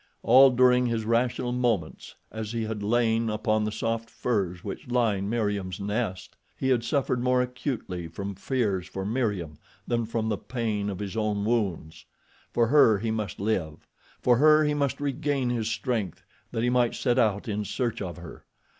All during his rational moments as he had lain upon the soft furs which lined Meriem's nest he had suffered more acutely from fears for Meriem than from the pain of his own wounds. For her he must live. For her he must regain his strength that he might set out in search of her.